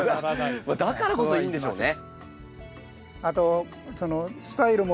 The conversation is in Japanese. だからこそいいんでしょうね。